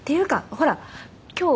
ほら今日